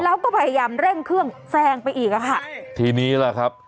แล้วก็พยายามเร่งเครื่องแซงไปอีกอ่ะค่ะทีนี้ล่ะครับ